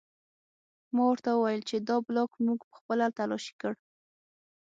ما ورته وویل چې دا بلاک موږ پخپله تلاشي کړ